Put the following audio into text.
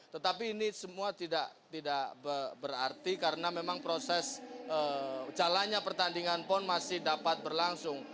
tetapi ini semua tidak berarti karena memang proses jalannya pertandingan pon masih dapat berlangsung